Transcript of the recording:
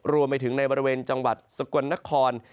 รวมไปถึงในบริเวณจังหวัดสกลนคร